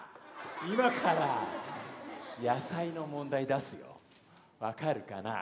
今から野菜の問題出すよ。分かるかな。